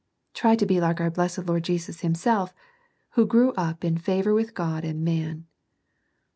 Try to be like our blessed Lord Jesus Christ Himself, who grew up ^^ in &vour with God and man."